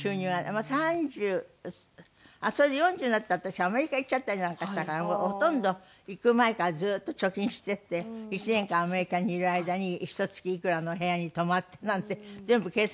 ３０それで４０になったら私アメリカ行っちゃったりなんかしたからほとんど行く前からずっと貯金してて１年間アメリカにいる間に一月いくらの部屋に泊まってなんて全部計算して。